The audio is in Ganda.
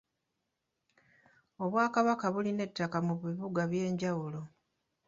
Obwakabaka bulina ettaka mu bibuga eby'enjawulo.